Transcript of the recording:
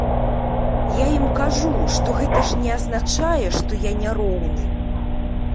Я ім кажу, што гэта ж не азначае што я не роўны!